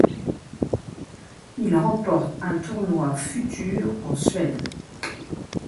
Il remporte un tournoi Future en Suède.